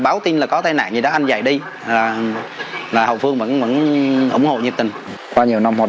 báo tin là có tai nạn gì đó anh dạy đi là là hậu phương vẫn ủng hộ nhiệt tình qua nhiều năm hoạt